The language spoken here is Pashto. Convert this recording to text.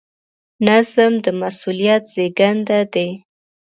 نظم د مسؤلیت زېږنده دی.